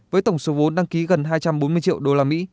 với tổng số vốn đăng ký gần hai trăm bốn mươi triệu usd